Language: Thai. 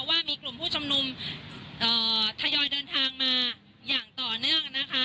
ว่ามีกลุ่มผู้ชุมนุมทยอยเดินทางมาอย่างต่อเนื่องนะคะ